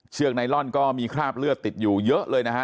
ไนลอนก็มีคราบเลือดติดอยู่เยอะเลยนะฮะ